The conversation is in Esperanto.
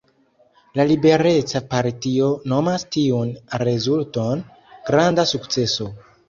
La Libereca Partio nomas tiun rezulton granda sukceso.